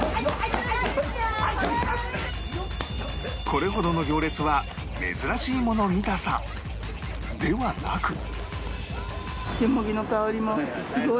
これほどの行列は珍しいもの見たさではなく